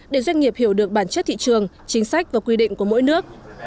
để doanh nghiệp hiểu được bản chất thị trường chính sách và quy định của mỗi nước